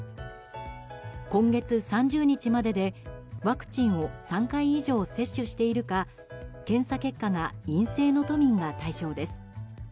今月３０日までで、ワクチンを３回以上接種しているか検査結果が陰性の都民が対象です。